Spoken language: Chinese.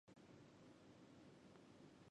尤登巴赫是德国图林根州的一个市镇。